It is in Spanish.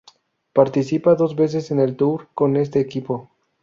Participa dos veces en el Tour con este equipo.